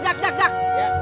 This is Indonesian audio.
jak jak jak